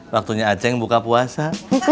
waktunya a ceng buka puasa